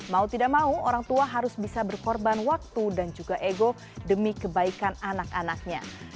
mau tidak mau orang tua harus bisa berkorban waktu dan juga ego demi kebaikan anak anaknya